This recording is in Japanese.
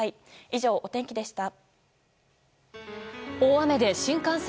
以上、お天気でした。